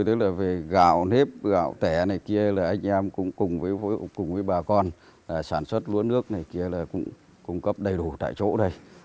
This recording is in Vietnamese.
tức là về gạo nếp gạo tẻ này kia là anh em cũng cùng với cùng với bà con sản xuất lúa nước này kia là cũng cung cấp đầy đủ tại chỗ đây